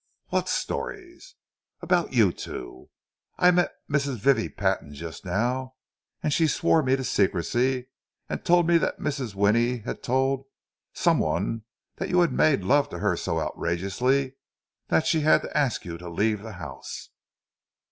"What stories?" "About you two. I met Mrs. Vivie Patton just now, and she swore me to secrecy, and told me that Mrs. Winnie had told some one that you had made love to her so outrageously that she had to ask you to leave the house."